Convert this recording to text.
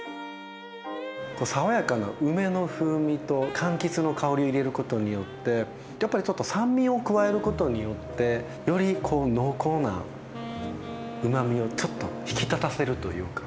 爽やかな梅の風味とかんきつの香りを入れることによってやっぱりちょっと酸味を加えることによってよりこう濃厚なうまみをちょっと引き立たせるというか。